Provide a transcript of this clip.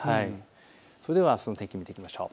それではあすの天気を見ていきましょう。